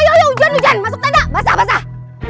ujian ujian masuk tanah basah basah